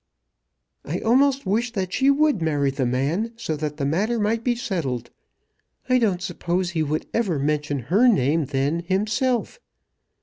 "I almost wish that she would marry the man, so that the matter might be settled. I don't suppose he would ever mention her name then himself.